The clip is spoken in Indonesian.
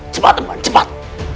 cepat amban cepat